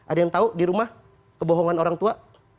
ada yang tahu di rumah kebohongan orang tua